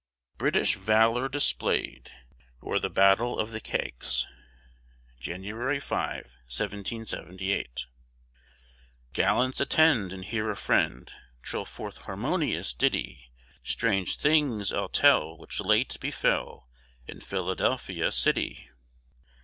BRITISH VALOR DISPLAYED; OR, THE BATTLE OF THE KEGS [January 5, 1778] Gallants attend, and hear a friend Trill forth harmonious ditty; Strange things I'll tell which late befel In Philadelphia city.